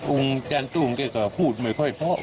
อุงแจนตุ่มเก่งก็พูดไม่ค่อยเพราะ